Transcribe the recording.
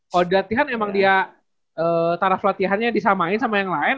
kalau latihan emang dia taraf latihannya disamain sama yang lain